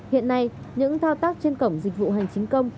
hiện nay những thao tác trên cổng dịch vụ hành chính công